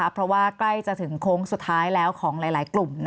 เพราะว่าใกล้จะถึงโค้งสุดท้ายแล้วของหลายกลุ่ม